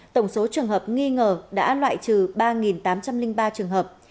tổng số trường hợp nghi ngờ đã loại trừ ba tám trăm linh ba trường hợp